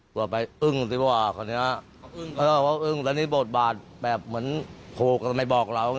กวดไปอึ้งสิวะว่าอันนี้บ่ดบาดแบบเหมือนโคกก็ไม่บอกเรา